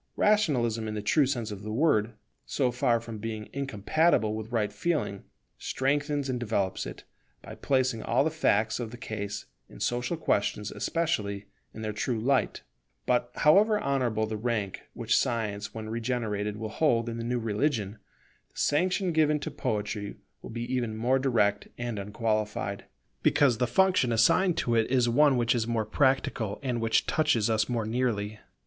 Rationalism, in the true sense of the word, so far from being incompatible with right feeling, strengthens and develops it, by placing all the facts of the case, in social questions especially, in their true light. [The new religion is even more favourable to Art than to Science] But, however honourable the rank which Science when regenerated will hold in the new religion, the sanction given to Poetry will be even more direct and unqualified, because the function assigned to it is one which is more practical and which touches us more nearly.